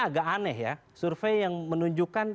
agak aneh ya survei yang menunjukkan